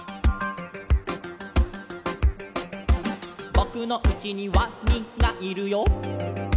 「ぼくのうちにワニがいるよ」